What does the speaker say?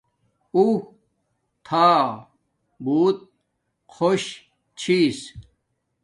اّو تھا بوت خوش چھس